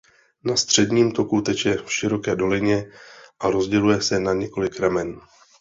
Na středním toku teče v široké dolině a rozděluje se na několik ramen.